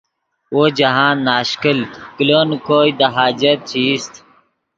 وو جاہند ناشکل کلو نے کوئے دے حاجت چے ایست